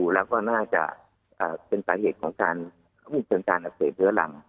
แล้วก็น่าจะอ่าเป็นสาเหตุของการควบคุมกันการอักเสบเหลือหลัง